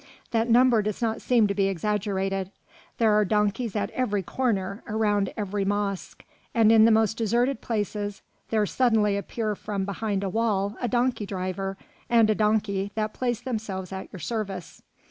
That number does not seem to be exaggerated. There are donkeys at every corner, around every mosque, and in the most deserted places there suddenly appear from behind a wall a donkey driver and a donkey that place themselves at your service.